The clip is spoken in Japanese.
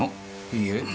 いいえ。